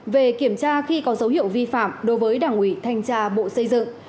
một về kiểm tra khi có dấu hiệu vi phạm đối với đảng ủy thanh tra bộ xây dựng